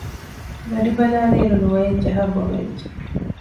ގަޑި ބަލައިލިއިރު ނުވައެއް ޖަހާ ބޮޑުވެއްޖެ